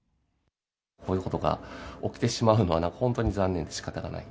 こういうことが起きてしまうのは、本当に残念でしかたがない。